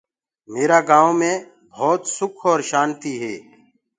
ميرآ گائونٚ مي ڀوت سُک اور شآنتي هي۔